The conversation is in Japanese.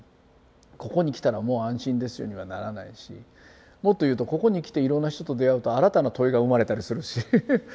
「ここに来たらもう安心ですよ」にはならないしもっと言うとここに来ていろんな人と出会うと新たな問いが生まれたりするし。